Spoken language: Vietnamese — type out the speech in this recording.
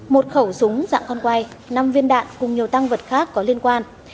một khẩu súng dạng con quay năm viên đạn cùng nhiều tăng vật khác có liên quan